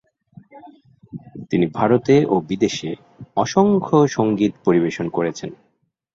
তিনি ভারতে ও বিদেশে অসংখ্য সংগীত পরিবেশন করেছেন।